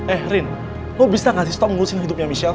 eh rin lo bisa gak sih sto mengurusin hidupnya michelle